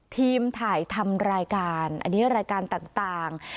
ทีมถ่ายทำรายการอันนี้รายการต่าง